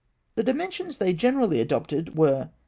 The dimensions they generally adopted were 8.